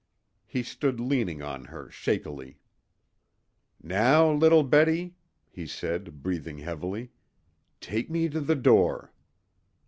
He stood leaning on her shakily. "Now, little Betty," he said, breathing heavily, "take me to the door."